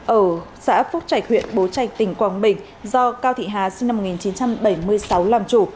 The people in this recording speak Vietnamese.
ở xã phúc trạch huyện bố trạch tỉnh quảng bình do cao thị hà sinh năm một nghìn chín trăm bảy mươi sáu làm chủ